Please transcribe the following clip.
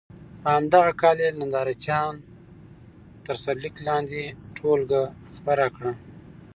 په همدغه کال یې ننداره چیان تر سرلیک لاندې ټولګه خپره کړه.